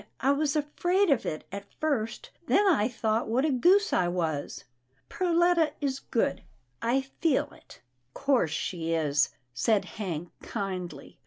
I was afraid of it at first, then I thought what a goose I was. Perletta is good. I feel it." " 'Course she is," said Hank, kindly.